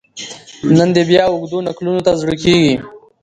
نن دي بیا اوږدو نکلونو ته زړه کیږي